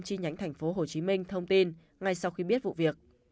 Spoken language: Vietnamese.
chi nhánh thành phố hồ chí minh thông tin ngay sau khi biết vụ việc